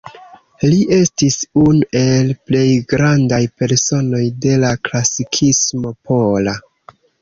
Li estis unu el plej grandaj personoj de la klasikismo pola.